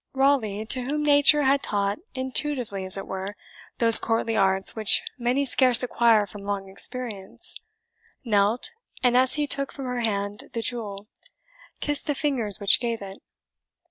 Raleigh, to whom nature had taught intuitively, as it were, those courtly arts which many scarce acquire from long experience, knelt, and, as he took from her hand the jewel, kissed the fingers which gave it.